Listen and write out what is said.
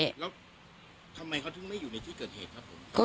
แล้วทำไมเขาถึงไม่อยู่ในที่เกิดเหตุครับผม